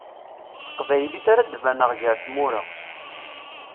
S teqbaylit ara d-baneɣ gar tmura.